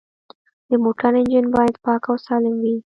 د موټر انجن باید پاک او سالم وي.